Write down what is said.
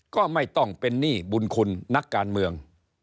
ก็ไม่ต้องเป็นหนี้บุญคุณนักการเมือง